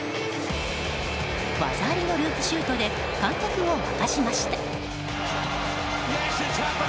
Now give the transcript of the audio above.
技ありのループシュートで観客を沸かしました。